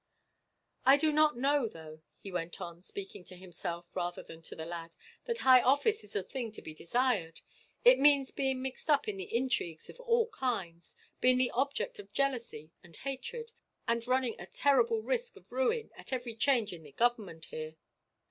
"I do not know, though," he went on, speaking to himself rather than to the lad, "that high office is a thing to be desired. It means being mixed up in intrigues of all kinds, being the object of jealousy and hatred, and running a terrible risk of ruin at every change in the government here."